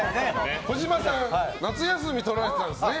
児嶋さん夏休みをとられたんですね。